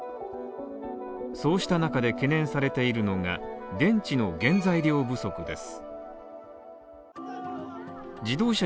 そうした中で懸念されているのが電池の原材料不足です。